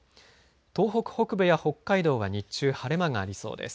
東北北部や北海道は日中、晴れ間がありそうです。